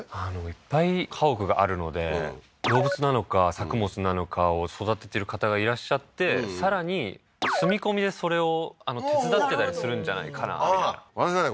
いっぱい家屋があるので動物なのか作物なのかを育ててる方がいらっしゃってさらに住み込みでそれを手伝ってたりするんじゃないかなみたいな私はね